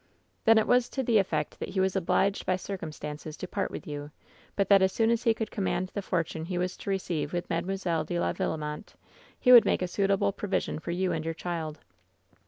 " *Then it was to the effect that he was obliged by circumstances to part with you, but that as soon as he could command the fortune he was to receive with Mademoiselle de la Villemonte, he would make a suit able provision for you and your child.'